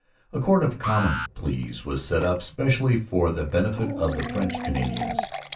A Court of Common Pleas was set up specially for the benefit of the French Canadians.